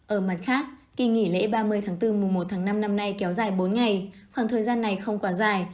ở mặt khác kỳ nghỉ lễ ba mươi tháng bốn mùa một tháng năm năm nay kéo dài bốn ngày khoảng thời gian này không còn dài